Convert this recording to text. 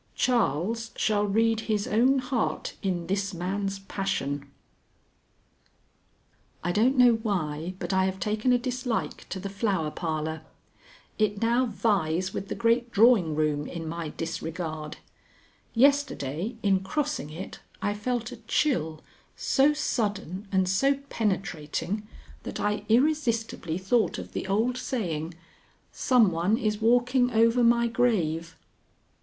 Charles shall read his own heart in this man's passion. I don't know why, but I have taken a dislike to the Flower Parlor. It now vies with the great drawing room in my disregard. Yesterday, in crossing it, I felt a chill, so sudden and so penetrating, that I irresistibly thought of the old saying, "Some one is walking over my grave."